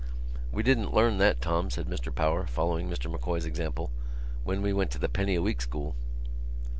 "We didn't learn that, Tom," said Mr Power, following Mr M'Coy's example, "when we went to the penny a week school."